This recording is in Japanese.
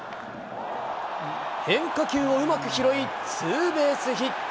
変化球をうまく拾いツーベースヒット。